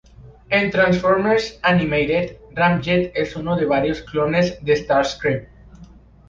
En Transformers Animated, Ramjet es uno de varios clones de Starscream.